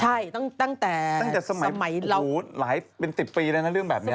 ใช่ตั้งแต่สมัยหูเป็น๑๐ปีแล้วนะเรื่องแบบนี้